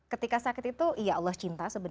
ketika sakit itu ya allah cinta